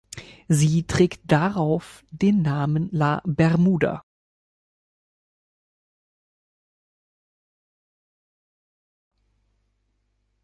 Sie trägt darauf den Namen "la bermuda".